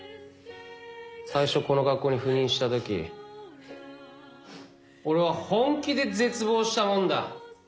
最初この学校に赴任したとき俺は本気で絶望したもんだ。